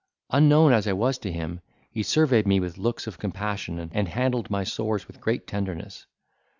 Unknown as I was to him, he surveyed me with looks of compassion, and handled my sores with great tenderness.